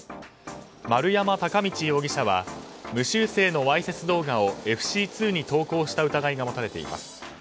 丸山敬道容疑者は無修正のわいせつ動画をＦＣ２に投稿した疑いが持たれています。